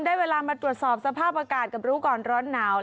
ได้เวลามาตรวจสอบสภาพอากาศกับรู้ก่อนร้อนหนาว